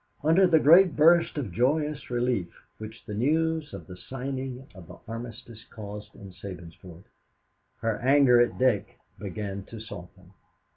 Under the great burst of joyous relief which the news of the signing of the armistice caused in Sabinsport, her anger at Dick began to soften.